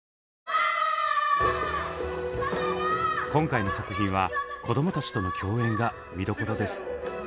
今回の作品はこどもたちとの共演が見どころです。